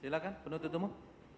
silakan penutup teman